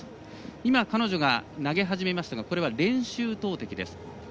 今、彼女が投げ始めましたがこれは練習投てきです。